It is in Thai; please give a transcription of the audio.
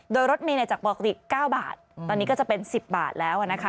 โดยรถเมล์จากปกติ๙บาทตอนนี้ก็จะเป็น๑๐บาทแล้ว